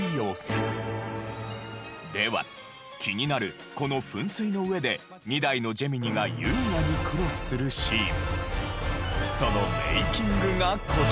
では気になるこの噴水の上で２台のジェミニが優雅にクロスするシーン。